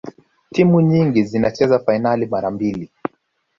timu nyingi zinacheza fainali mara mbili